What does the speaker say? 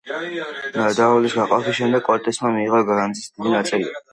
ნადავლის გაყოფის შემდეგ კორტესმა მიიღო განძის დიდი ნაწილი.